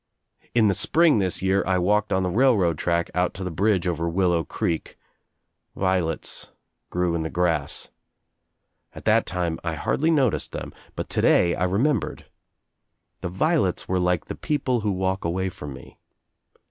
In the spring this year I walked on the railroad track out to the bridge over Willow Creek. Violets grew in the grass. At that time I hardly noticed them but today I remembered. The violets were like the people who walk away from me.